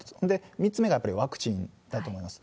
３つ目がやっぱりワクチンだと思います。